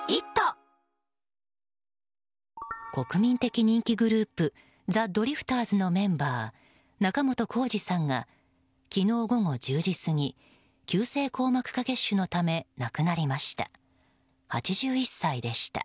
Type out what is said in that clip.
国民的人気グループザ・ドリフターズのメンバー仲本工事さんが昨日午後１０時過ぎ急性硬膜下血腫のため亡くなりました。